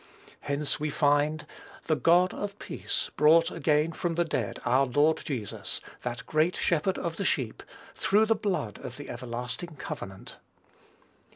Hence, we find, "The God of peace brought again from the dead our Lord Jesus, that great Shepherd of the sheep, through the blood of the everlasting covenant."